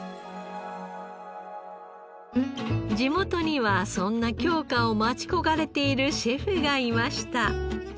地元にはそんな京香を待ち焦がれているシェフがいました。